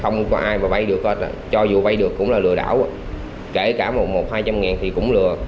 không có ai mà vay được cho dù vay được cũng là lừa đảo kể cả một hai trăm linh thì cũng lừa